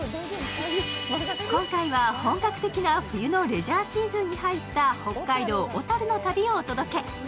今回は本格的な冬のレジャーシーズンに入った北海道・小樽の旅をお届け。